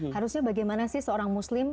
harusnya bagaimana sih seorang muslim